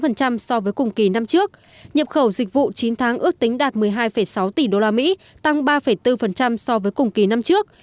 nhập khẩu dịch vụ chín tháng ước tính đạt một mươi hai sáu tỷ đô la mỹ tăng ba bốn so với cùng kỳ năm trước